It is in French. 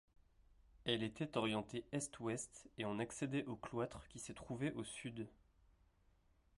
Elle était orientée est-ouest et on accédait au cloître qui se trouvait au sud.